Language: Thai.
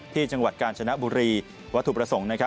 จังหวัดกาญจนบุรีวัตถุประสงค์